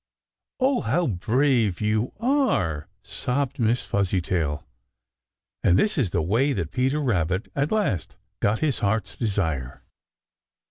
"Oh? how brave you are!" sobbed little Miss Fuzzytail. And this is the way that Peter Rabbit at last got his heart's desire.